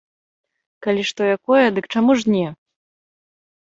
Калі што якое, дык чаму ж не!